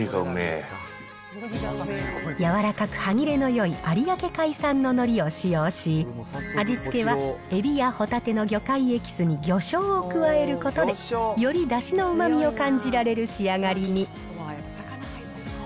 柔らかく歯切れのよい有明海産ののりを使用し、味付けはエビやホタテの魚介エキスに魚しょうを加えることで、よりだしのうまみを感じられる仕上がりに。